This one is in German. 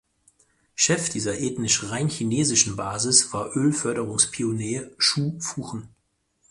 Chef dieser ethnisch rein chinesischen Basis war Ölförderungspionier Xu Fuchen.